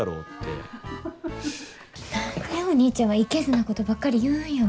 何でお兄ちゃんはいけずなことばっかり言うんよ。